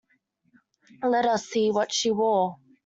Let us see what she wore.